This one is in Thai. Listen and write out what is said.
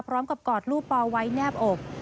พร้อมกับกอดลูกปอไว้แนบอบ